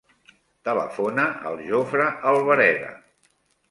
Telefona al Jofre Albareda.